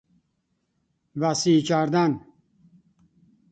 وسیع کردن